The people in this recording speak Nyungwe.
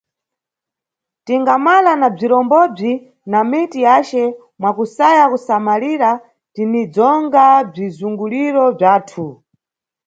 Tingamala na bzirombobzi na miti yace mwa kusaya kusamalira, tinidzonga bzizunguliro bzathu.